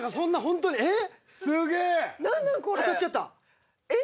当たっちゃったえっ